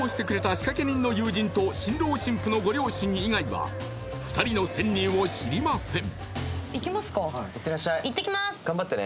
仕掛人の友人と新郎新婦のご両親以外は２人の潜入を知りません